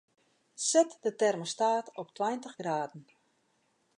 Set de termostaat op tweintich graden.